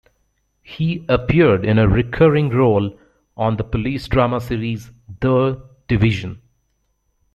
He appeared in a recurring role on the police drama series "The Division".